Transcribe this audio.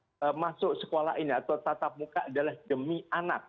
jadi semua masuk sekolah ini atau tatap muka adalah demi anak